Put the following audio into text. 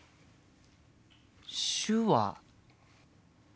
手話。